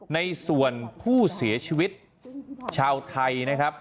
ในส่วนผู้เสียชีวิตชาวไทยนะครับ